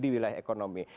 di wilayah ekonomi